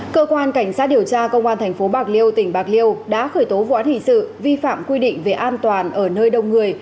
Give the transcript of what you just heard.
cơ quan cảnh sát điều tra công an tp bạc liêu tỉnh bạc liêu đã khởi tố vụ án hình sự vi phạm quy định về an toàn ở nơi đông người